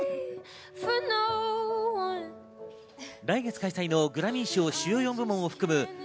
来月開催のグラミー賞主要４部門を含む